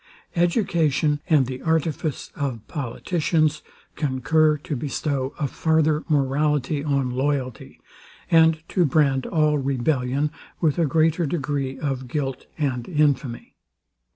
Education, and the artifice of politicians, concur to bestow a farther morality on loyalty, and to brand all rebellion with a greater degree of guilt and infamy.